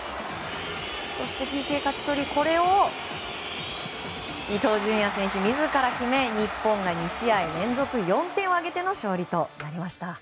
そしてＰＫを勝ち取りこれを伊東純也選手が自ら決め日本が２試合連続４点を挙げての勝利となりました。